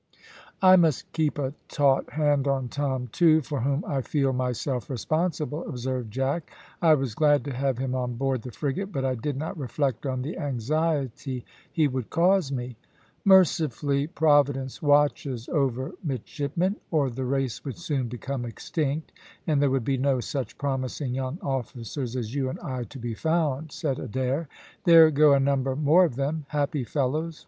"I must keep a taut hand on Tom, too, for whom I feel myself responsible," observed Jack. "I was glad to have him on board the frigate, but I did not reflect on the anxiety he would cause me." "Mercifully Providence watches over midshipmen, or the race would soon become extinct, and there would be no such promising young officers as you and I to be found," said Adair. "There go a number more of them. Happy fellows!